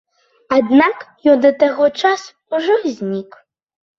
Аднак ён да таго часу ўжо знік.